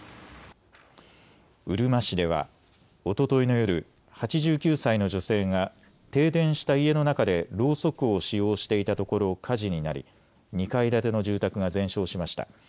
うるま市ではおとといの夜、８９歳の女性が停電した家の中でろうそくを使用していたところ火事になり２階建ての住宅が全焼しました。